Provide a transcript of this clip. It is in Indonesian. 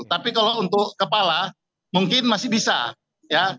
tapi kalau untuk kepala mungkin masih bisa ya